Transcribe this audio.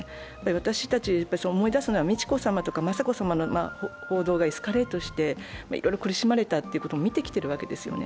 私たち、思い出すのは美智子さまとか、雅子さまの報道がエスカレートしていろいろ苦しまれたことも見てきてるんですよね。